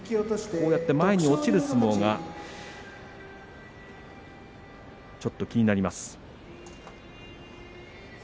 こうやって前に落ちる相撲がちょっと気になります。